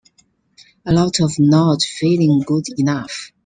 A lot of not feeling good enough.